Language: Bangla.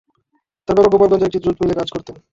তার বাবা গোপালগঞ্জের একটি জুট মিলে কাজ করতেন।